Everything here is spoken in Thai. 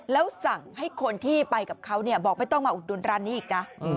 แล้วสั่งให้คนที่ไปกับเขาบอกไม่ต้องมาอุดดุลร้านนี้อีกนะ